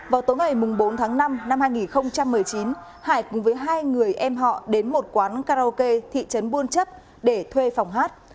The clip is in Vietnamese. vào tối ngày bốn tháng năm năm hai nghìn một mươi chín hải cùng với hai người em họ đến một quán karaoke thị trấn buôn chấp để thuê phòng hát